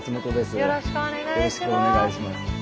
よろしくお願いします。